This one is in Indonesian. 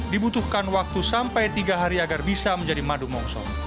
dibutuhkan waktu sampai tiga hari agar bisa menjadi madu mongso